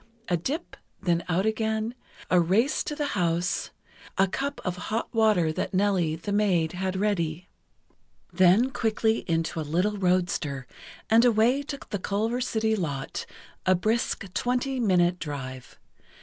A dip, then out again, a race to the house, a cup of hot water that Nellie, the maid, had ready. Then quickly into a little roadster and away to the Culver City lot, a brisk twenty minute drive.